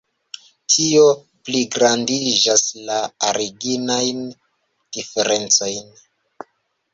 Tio pligrandigas la originajn diferencojn.